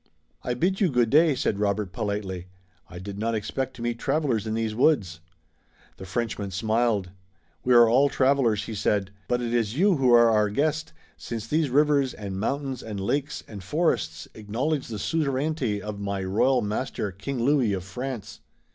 "I bid you good day," said Robert politely. "I did not expect to meet travelers in these woods." The Frenchman smiled. "We are all travelers," he said, "but it is you who are our guest, since these rivers and mountains and lakes and forests acknowledge the suzerainty of my royal master, King Louis of France."